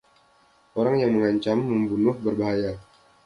Orang yang mengancam, membunuh, berbahaya.